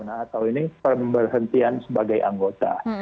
atau ini pemberhentian sebagai anggota